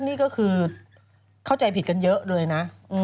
นี่ก็คือเข้าใจผิดกันเยอะเลยนะ